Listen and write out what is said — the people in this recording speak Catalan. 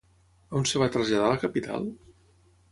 A on es va traslladar la capital?